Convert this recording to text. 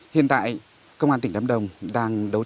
hiện tại công an tỉnh lâm đồng đang đối tượng